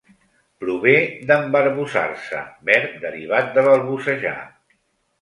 Prové d'embarbussar-se, verb derivat de balbucejar.